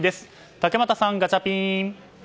竹俣さん、ガチャピン！